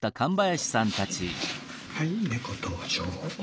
はい猫登場。